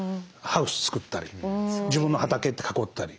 ハウス作ったり自分の畑って囲ったり。